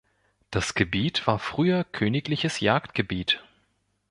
Das Gebiet war früher königliches Jagdgebiet.